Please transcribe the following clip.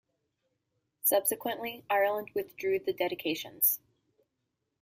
Subsequently, Ireland withdrew the dedications.